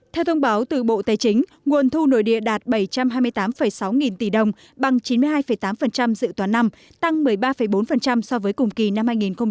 theo thông báo từ bộ tài chính nguồn thu nội địa đạt bảy trăm hai mươi tám sáu nghìn tỷ đồng bằng chín mươi hai tám dự toán năm tăng một mươi ba bốn so với cùng kỳ năm hai nghìn một mươi tám